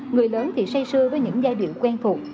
người lớn thì say sư với những giai điệu quen thuộc